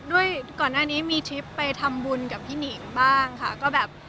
ด้วยก่อนหน้านี้มีทริปไปทำบุญกับพี่หนิงบ้างค่ะก็แบบ